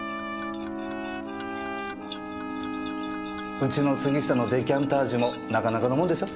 うちの杉下のデカンタージュもなかなかのもんでしょ？